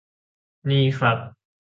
นี่ครับ